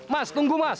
mas tunggu mas